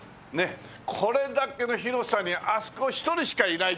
これだけの広さにあそこ一人しかいないっていうのは。